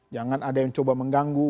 jangan ada yang coba mengganggu